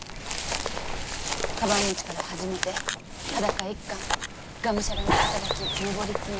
かばん持ちから始めて裸一貫がむしゃらに働き上り詰め